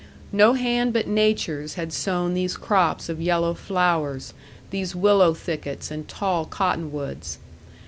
No hand but nature's had sown these crops of yellow flowers, these willow thickets and tall cottonwoods.